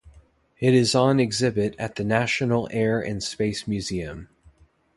It is on exhibit at the National Air and Space Museum.